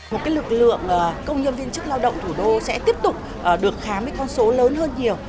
một lực lượng công nhân viên chức lao động thủ đô sẽ tiếp tục được khám với con số lớn hơn nhiều